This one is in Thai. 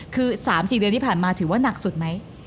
คือ๓๔เดือนที่ผ่านมาถือว่านักสุดไหม